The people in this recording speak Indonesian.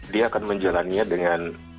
dia akan menjalannya dengan